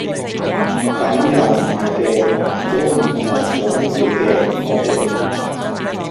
噉又唔係嘅，都唔同種類嘅我哋